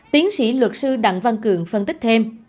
tiến sĩ luật sư đặng văn cường phân tích thêm